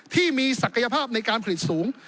ที่มีศักยภาพในการผลิตสูง